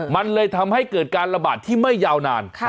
มันเลยทำให้เกิดการระบาดที่ไม่ยาวนาน